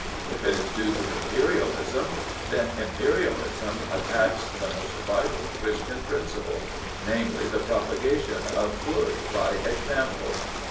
If it is due to Imperialism, then Imperialism attacks the most vital Christian principle — namely, the propagation of good by example.